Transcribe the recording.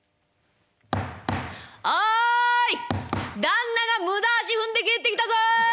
旦那が無駄足踏んで帰ってきたぞ！